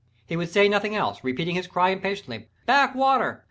He would say nothing else—repeating his cry impatiently, back water!